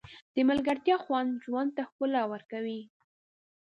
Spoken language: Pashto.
د ملګرتیا خوند ژوند ته ښکلا ورکوي.